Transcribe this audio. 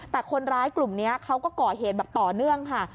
แต่คนร้ายกลุ่มนี้เขาก็ก่อเหตุแบบต่อเนื่องค่ะ